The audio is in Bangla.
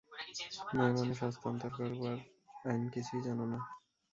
মেয়েমানুষ, হস্তান্তর করবার আইন কিছুই জান না।